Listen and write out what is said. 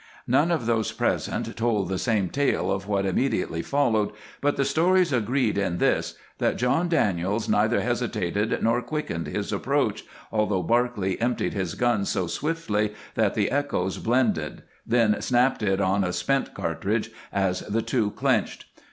None of those present told the same tale of what immediately followed, but the stories agreed in this, that John Daniels neither hesitated nor quickened his approach, although Barclay emptied his gun so swiftly that the echoes blended, then snapped it on a spent cartridge as the two clinched.